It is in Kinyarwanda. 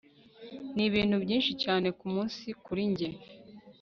ni ibintu byinshi cyane ku munsi kuri njye